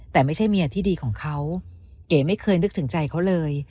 แต่ไม่ใช่เมียที่ดีของเขาเก๋ไม่เคยนึกถึงใจเขาเลย